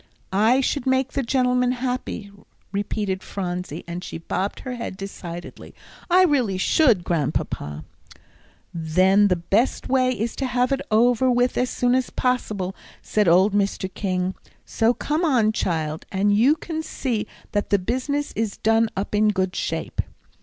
"I should make the gentleman happy," repeated Phronsie, and she bobbed her head decidedly. "I really should, Grandpapa." "Then the best way is to have it over with as soon as possible," said old Mr. King; "so come on, child, and you can see that the business is done up in good shape."